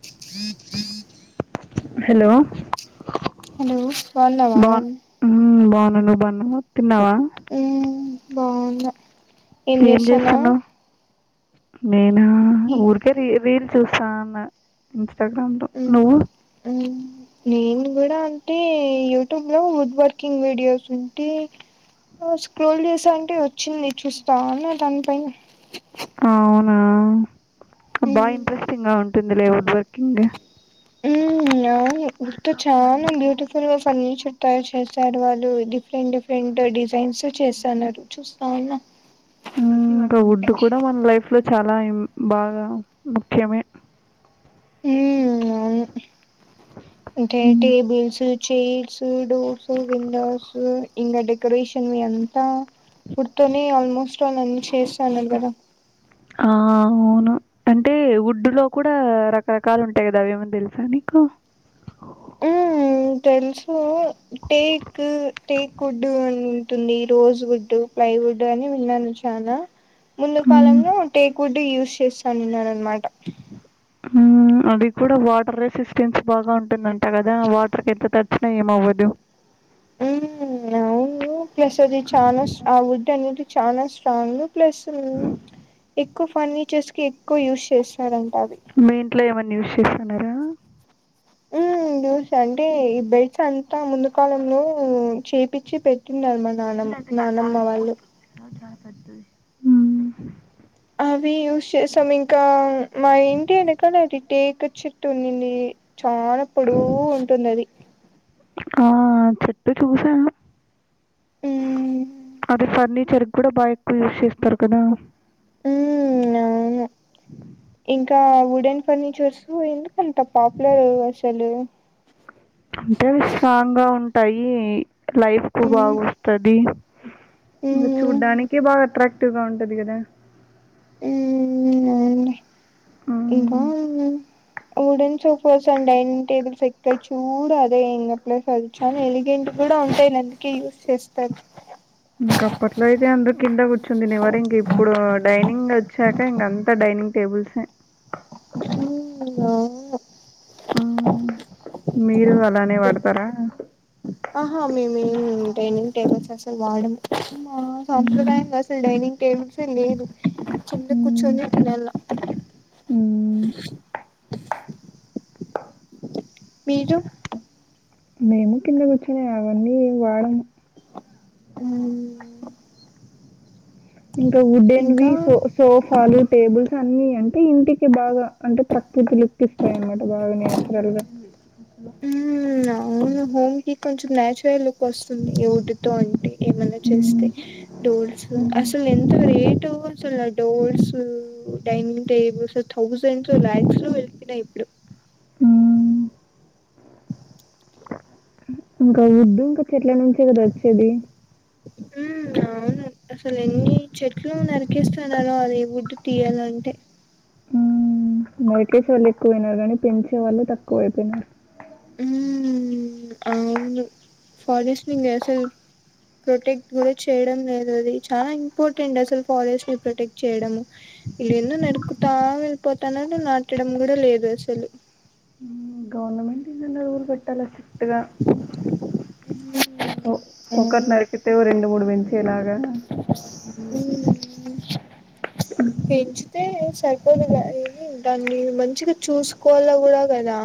[unintelligible] Hello hello బాగున్నావా bun ఉ bun ను బాన్ తిన్నావా? మ్మ్ బాగున్నా ఏం చేస్తానవ్? నేను ఊరికే రీ రీల్ చూస్తాన ఇన్స్టాగ్రామ్ లో మ్మ్ నువ్వు మ్మ్ నేను కూడా అంటే యూట్యూబ్ లో వుడ్ వర్కింగ్ వీడియోస్ ఉంటే స్క్రోల్ చేసా అంటే వచ్చింది చూస్తా అన్న దానిపైన అవునా బాగా ఇంట్రెస్టింగ్గా ఉంటుంది లేవుడ్ వర్కింగ్ ఊ అవును చానా బ్యూటిఫుల్ ఫర్నిచర్ టై చేశారు వాళ్ళు డిఫరెంట్ డిఫరెంట్ డిజైన్స్ చేసన్నారు చూస్తా ఉన్నా ఇంకా వడ్ కూడా మన లైఫ్ లో చాలా బాగా ముఖ్యమే హ అ ఇంటే మ్మ్ టేబల్స్ చైర్స్ డోర్స్ విండోస్ ఇంకా డెకరేషన్ ఎంత పుర్తోని ఆల్మోస్ట్ వాళ్ళన్ని చేశానుక్కడ ఆ అవును అంటే వడ్డు లో కూడా రకరకాలు ఉంటాయి కదావి ఏమన్నా తెలుసా నీకు [unintelligible] మ్మ్ తెలుసు టేక్ టేక్ వడ్డు అని ఉంటుంది రోజ్ వడ్ ఫ్లై వుడ్ అని విన్నాను చానాా ముందు మ్మ్ కాలంలో టేక్ వుడ్ యూజ్ చేస్తానున్నారు అనమాట మ్ అది కూడా వాటర్ రెసిస్టెన్స్ బాగా ఉంటుందంట కదా వాటర్కి ఎంత తడ్చినా ఏమవ్వదు మ్ అవును ప్లస్ అది చనా ఆ ఉడ్ అనేది చనా స్ట్రాంగ్ ప్లస్ ఎక్కువ ఫర్నిచర్స్ కి ఎక్కువ యూస్్ చేస్తార మీ ఇంట్లో ఏమన్నా యూస్ చేస్తున్నారా మ్ యూస్ అంటే ఈ బెల్స్ అంతా ముందు కాలంలో చేపిచ్చి పెట్ టిన్నారుమా నానమ్మ నానమ్మ వాళ్ళు హ్మ్. అవి యూస్ చేసాం ఇంకా మా ఇంటి ఎనకాల అది టేక్ చెట్టు ఉంనింది చానా పొడువుగుంటుంది అది ఆ చెట్టు చూసను ఉమ్ అది ఫర్ని చర్ కూడా బాగా ఎక్కువ యూస్ చేస్తారు కదా ఉమ్ అవును ఇంకా వుడెన్ ఫర్నిచర్స్ ఎందుకంత పాపులర్ అసలు అంటే స్ట్రాంగ్ గా ఉంటాయి లైఫ్ కు బాగా ఉమ్ వస్తది ఇంగ ఉమ్ చూడ్డానికి బాగా అట్రాక్టివ్ గా ఉంటది కదా మ్ ఇంకా హ్మ్. Wooden sofas and dining tables ఎ క్కడ చూడు అదే ఇంగ ప్లేస్ అవి చానా ఎలిగెంట్ కూడా ఉంటాయి అందుకే యూజ్ చేస్తారు ఇంక అప్పట్లో అయితే అందర్ కింద కూర్చు తనివర ఇంక ఇప్పుడు డైనింగ్ వచ్చాక ఇంకంత డై డైనింగ్ టేబుల్స్ మ్ అవును ఆ మీరు అలానే వాడుతారా ఆహా మేము మ్ డైనింగ్ టేబుల్స్ అసలు వాడము మ మ్మ్ సాంప్రదాయం అసలు డైనింగ్ టేబుల్స్ ఏ లేదు కింద మ్మ్ కూర్చొనే తినల్ల మ్మ్ మీరు మేము కింద కూర్చోనే అవన్నీ వాడము మ్ ఇంకా వుడ్డెన్వి ఇంకా సో సోఫాలు టేబుల్స్ అన్ని అంటే ఇంటికి బాగా అంటే ప్రకృతి లుక్కిిస్తాయి అన్నమాట బాగా నేచురల్ గా మనా హోమ్ కి కొంచెం నచురల్ లుక్ వస్తుంది విటితో అంటే ఏమన్నా మ్మ్ చేస్తే డోల్స్ అసలు ఎంత రేటో doors dining tables thousands lakhs లో వెళ్ళిపోయినయ్ ఇప్పుడు మ్ ఇంకా వుడ్ ఇంకా చెట్ల నుంచే కదా వచ్చేది మ్మ్ అవును అసలు ఎన్ని చెట్లు నరికేస్తున్నారో అది వుడ్ తీయాలంటే మ్ నరికేష్ వాళ్ళు ఎక్కువైన కానీ పెంచే వాళ్ళు తక్కువైపోయినారు మ్ అవును ఫారెస్ట్ నింగ్ చెస్ ప్రొటెక్ట్ కూడా చేయడం లేదు అది చాలా ఇంపార్టెంట్ అసలు ఫారెస్ట్ ని ప్రొటెక్ట్ చేయడం ఏన్నెన్నో నరుకుతా వెళ్ళిపోతన్నారు నాటడం కూడా లేదు అసలు మ్ గ రూల్ పెట్టాలా స్టిక్ట్ గ ఒ ఒక్కటి నరకితే రెండు మూడు పెంచేలాగా మ్ పెంచుతే సరిపోదు క ఏంటండీ మంచిగా చూసుకోవాల కూడా కదా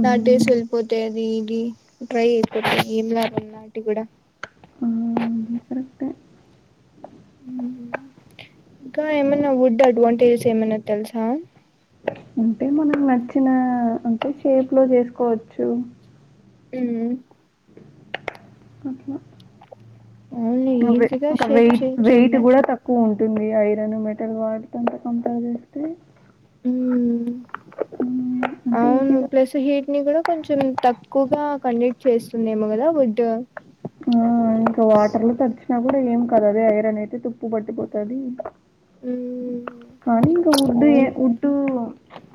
మ్మ్ నాటేసి ఎళ్ళిపోతే అది ఇది డ్రై అయిపోతది ఏం లాభం నాటి కూడ మ్ మ్ ఇంకా ఏమన్న వుడ్ అడ్వాంటేజెస్ ఏమన్న తెలుసా అంటే మనకు నచ్చిన అంటే షేప్ లో చేసుకోవచ్చు హ్మ్ అట్లా అవునే అవే ఇంకా వెయిట్ వెయిట్ కూడా తక్కువ ఉంటుంది ది ఐరన్ మెటల్ వాటితోనీ కంపేర్ చేస్తే ఉ మ్మ్, అంటే అవును ఈజీగా ప్లస్ హీట్ ని కూడా కొంచెం తక్కువగా కండక్ట్ చేస్తుందేమో కదా వుడ్ ఆ ఇంకా వాటర్ల తడిచిన కూడా ఏం కాదు అదే ఇరాన్ అయితే తుప్పు పట్టిపోతది హ్మ్ కానీ ఇగ వుడ్ ఏ వుడ్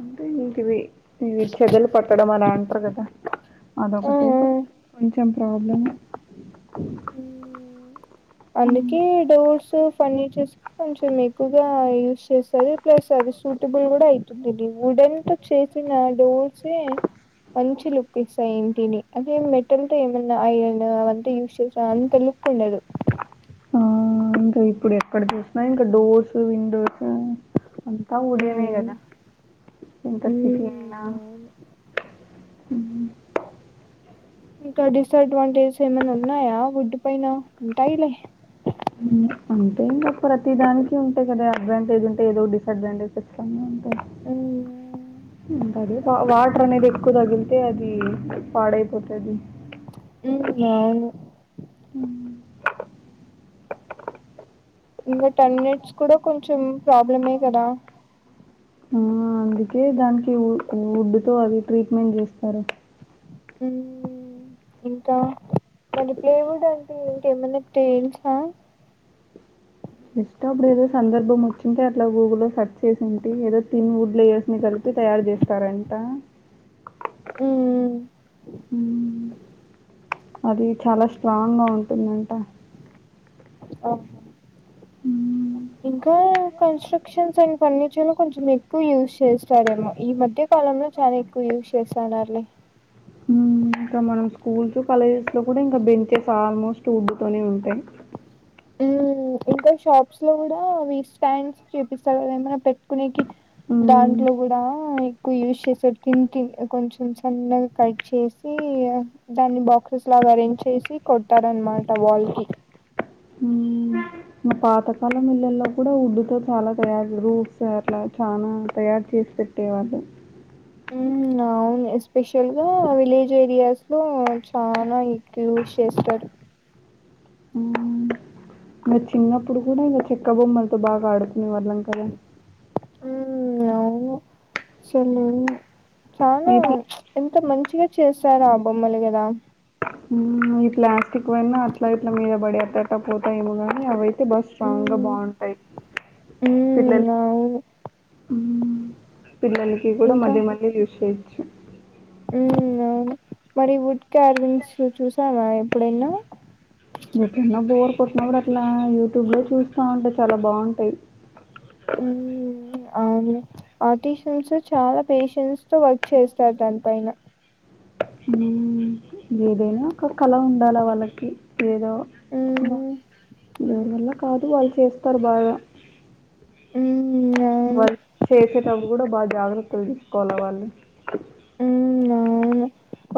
అంటే అది ఇది చెదలు పట్టడం అలా అంటరు కదా ఆ ఆ అదొకటే కొంచెం ప్రాబ్లం మ్మ్. అందుకే డోర్స్ కు ఫర్నిచర్స్ కి కొంచెం ఎక్కువగా యూస్ చేస్తరు ప్లస్ అది సూటబుల్ కూడా అయితుంటది వుడెన్ తో చేసిన డోర్స్ సే మంచి లుక్ ఇస్తాయి ఇంటిని అదే మెటల్ తో ఏమన్నా ఐరన్ అవంతా యూస్ చేసా అంత లుక్ కుండదు ఆ ఇంకా ఇప్పుడు ఎక్కడ చూసిన ఇంకా డోర్స్ విండో అంతా ఉడేనే మ్మ్. గదా ఎంత సిటీ అయినా మ్మ్. అవును. ఇంకా డిసడ్వాంటేజెస్ ఏమైన్నా ఉన్నాయా వుడ్ పైన ఉంటాయిలే అంటే ఇంకా ప్రతిదానికి ఉంటాయి కదా అడ్వాంటేజ్ ఉంటే ఏదో డిసడ్వాంటేజ్ ఉంటయి హ్మ్ ఇంక అదే వాటర్ అనేది ఎక్కు తగిలితే అది పాడైపోతది ఉ అవును ఇంకా టెన్ మినిట్స్ కూడా కొంచెం ప్రాబ్లమే కదా ఆ అందుకే దానికి వుడ్ తో అది ట్రీట్మెంట్ చేస్తారు హ్మ్ ఇంకా మరి ప్లేవుడ్ అంటే ఏంటి ఏమన్నా తెలుసా [unintelligible] ల ఏదో సందర్భం వచ్చింటే అట్లా గూగుల్లో లో సెర్చ్ చేసింటి ఏదో తిన్ వుడ్ లేయర్స్ ని కలిపి తయారు చేస్తారంట హ్మ్ అది చాలా స్ట్రాంగ్ గా ఉంటుందంట అహ హ్మ్ ఇంకా కన్స్టక్షన్స్ అండ్ ఫర్నిచర్ ను కొంచెం ఎక్కువ యూజ్ చేస్తారేమో ఈ మధ్య కాలంలో చానా ఎక్కువ యూస్ చేస్తాండార్లే హ్మ్. ఇంకా మనం స్కూల్స్ కాలేజెస్ లో కూడా ఇంకా బెంచెస్ ఆల్మోస్ట్ ఊడ్డుతోనే ఉంటాయి హ్మ్ అ ఇంకా షాప్స్ లో కూడా వ స్టాండ్స్ చూపిస్తారు కద ఏమనా పెట్టుకునేకి హ్మ్. దాంట్లో కూడా ఎక్కువ యూజ్ చేసాడు కిన్ కి కొంచెం సన్నగా కట్ చేసి దాన్ని బాక్సెస్ లాగా అరేంజ్ చేసి కొట్టారనమాట వాల్ కి హ్మ్. మా పాతకాల మిల్లల్లో కూడా ఉడ్డుతో చాలా తయారు రూట్స్ అట్లా చాల తయారు చేసి పెట్టేవాల్లు నా అవును ఎస్పెషల్ గా విలేజ్ ఏరియాస్ లో చాలా ఎకువ యూస్ చేస్తారు ఇ చిన్నప్పుడు కూడా ఇంక చెక్క బొమ్మలతో బాగా ఆడుకునే వాళ్ళం కదా హ్మ్ అవును చాలా ఈ ఎంత మంచిగా గా చేసారో ఆ బొమ్మలు కదా ఈ ప్లాస్టిక్ అనా అట్లా ఇట్ల మీద పడి అత్తక పోతాయమో కానీ అవై అయితే బా స్ట్రాంగ్ గా మ్మ్ బాగుంటాయి పిల్లలు మ్మ్ అవును పిల్లలకి గూ డా మళ్ళీ మళ్ళీ యూజ చేయ వు మరి వుడ్ కార్వింగ్స్ చూసావా ఎప్పుడైన ఎకన్నా బోర్ కొట్టినప్పుడు అట్లా యూట్యూబ్ లో చూస్తా ఉంటా చాలా బాగుంటాయి హ్మ్. అవును ఆర్టిషన్స్ చాలా పేషన్స్ తో వర్క్ చేస్తారు దాని పైన హ్మ్. ఏదైనా ఒక కళ ఉండాలవాళ్ళకి ఏదో హ్మ్. దేనివల్ల కాదు వాళ్ళు చేస్తారు బాగా హ్మ్. అవును. మరి చేసేటప్పుడు కూడా బాగా జాగ్రత్తలు తీసుకోవాల వాళ్ళు అవునా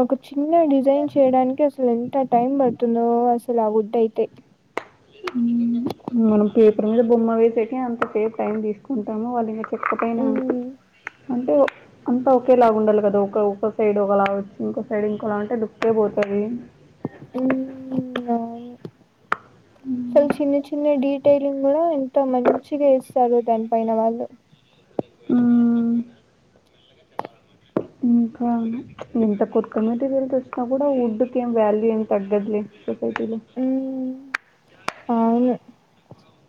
ఒక చిన్న డిజైన్ చేయడానికి అ అసలు ఎంత టైమ్ బడుతుందో అసలు ఆ ఉద్ద అయితే మనం పేపర్ మీద బొమ్మ వేసేకే అంతసేపు టైం తీసుకుంటాము వాళ్ళ ఎక్కపోనా హ్మ్. అంటే అంతా ఒకే లాగుండల గదా ఒక ఒక సైడ్ ఒకలాగా వచ్చి ఇంకో సైడ్ ఇంకోలా అంటే దుక్కే పోతా అ ఉమ్ అవును చలు చిన్న చిన్న డేట్ టైలింగ్ గూడా ఎంత మంచిగా ఇస్తారు దాని పైన వాళ్ళు ఉమ్ ఉ ఇంకావు ఇంత కొత్త మెటీరియల్ వచ్చినా కూడా వుడ్ క ఏం వాల్యూ ఏమి తగ్గదులే సొసైటీలో హ్మ్. ఆ అవును.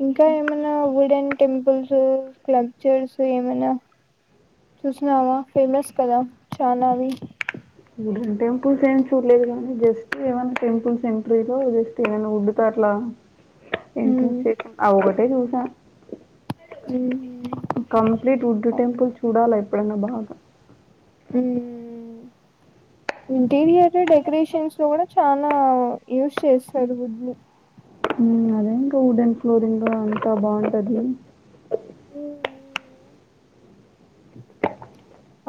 ఇంకా ఏమైనా ఉడెన్ టెంపుల్స్ క్లబ్చర్స్ ఏమైనా చూసినావా ఫేమస్ కదా చానావి గుడెన్ టెంపుల్స్ ఏమి చూడలేదు కానీ జస్ట్ ఏమైన్నా టెంపుల్ సెంటరీలో జస్ట్ ఏమైన్నా ఉడ్డుతో అట్లా ఇంట్రె చే అ ఒకటే చూసా కంప్లీట్ ఉడ్డు టెంపుల్ చూడాలా ఎప్పుడన్నా బాగా ఉమ్ ఇంటీరియర్ డెకరేషన్స్ లో కూడా చాల యూస్ చేస్తారు వుడ్ ని ఉ అదే ఇంకా వుడెన్ ఫ్లోరింగ్ అంతా బాగుంటది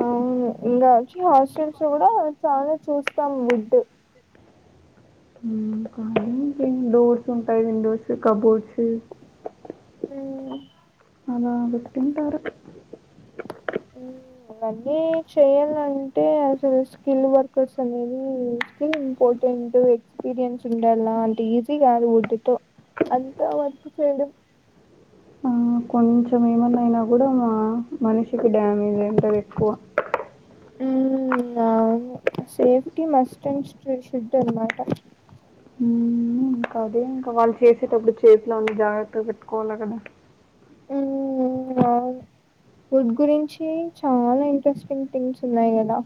ఆ ఇంగా వచ్చి హాస్టల్స్ కూడా చాలా చూస్తాం వడ్ స్ర్స్ ఉంటాయి విండోస్ కబోర్డ్స్ ఉ అలా బెట్టింటారు ఇవన్నీ చేయాలంటే అసలు స్కిల్ వర్కర్స్ అనేది స్కిల్ ఇంపార్టెంట్ ఎక్స్పీరియన్స్ ఉండలా అంటే ఈజీ కాదు వుడ్డుతో అంత వర్క్ చేయడం ఆ, కొంచెం ఏమన్నాయినా గూడా మా మనిషికి డ్యామేజ్ అంటంది ఎక్కువ ఉ అవును సేఫ్టీ మస్ట్ అండ్ శుడ్డడ్మాట ఇంకదే ఇంకా వాళ్ళు చేసేటప్పుడు చేతిలో ఉన్న జాగ్రత్తగా పెట్టుకోవాలి కదా ఉ అవును గుడ్ గురించి చాలా ఇంట్రెస్టింగ్ థింగ్స్ ఉన్నాయి కదా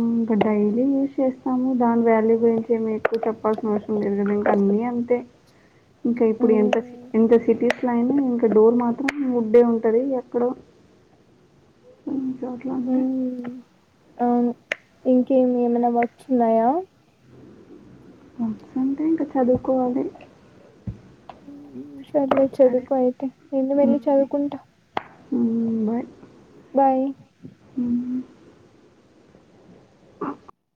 ఇంకా డైలీ యూజ్ చేస్తాము దాని వ్యాల్యూబ్ ఏంటి అంటే మీకు చెప్పాల్సిన అవసరం లేదు కదా ఇంక అన్నీ అంతే. ఇంకా ఇప్పుడు ఎంత హ్మ్. ఎంత సిటీస్ ఇట్లా అయినా ఇంకా డోర్ మాత్రం వుడ్డే ఉంటది ఎక్కడో జట్లాంట హ్మ్. అవును. ఇంకేమి ఏమైనా వర్క్స్ ఉన్నాయా వర్క్స్ అంటే ఇంకా చదువుకోవాలి హ్మ్. సర్లే చదువుకో అయితే నేను వెళ్లి చదువుకుంటా ఉ బాయ్ బాయ్ ఆ